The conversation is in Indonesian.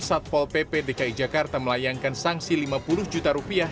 satpol pp dki jakarta melayangkan sanksi lima puluh juta rupiah